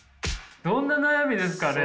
どんな悩みですかね？